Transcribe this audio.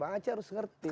bang aceh harus ngerti